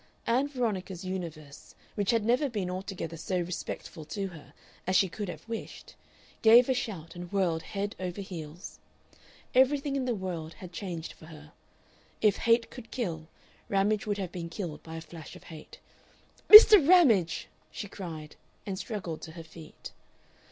Ann Veronica's universe, which had never been altogether so respectful to her as she could have wished, gave a shout and whirled head over heels. Everything in the world had changed for her. If hate could kill, Ramage would have been killed by a flash of hate. "Mr. Ramage!" she cried, and struggled to her feet.